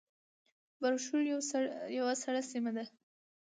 برښور یوه سړه سیمه ده